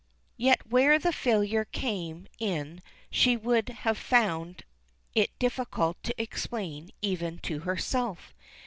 Yet where the failure came in she would have found it difficult to explain even to herself.